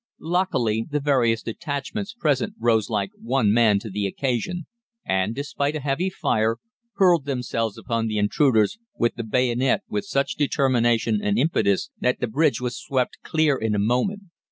Luckily, the various detachments present rose like one man to the occasion, and, despite a heavy fire, hurled themselves upon the intruders with the bayonet with such determination and impetus, that the bridge was swept clear in a moment.